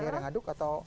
boleh aduk atau